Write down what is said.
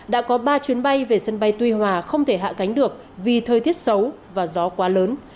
đã có ba chuyến bay về sân bay tuy hòa không thể hạ cánh được vì thời tiết xấu và gió quá lớn